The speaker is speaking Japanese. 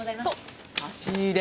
と差し入れ！